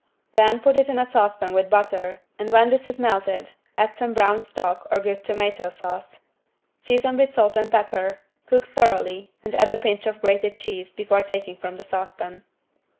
Then put it in a saucepan with butter, and when this is melted, add some brown stock or good tomato sauce. Season with salt and pepper, cook thoroughly and add a pinch of grated cheese before taking from the saucepan.